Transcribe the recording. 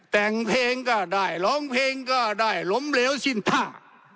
แต่งเพลงก็ได้ร้องเพลงก็ได้ล้มเหลวสิ้นท่า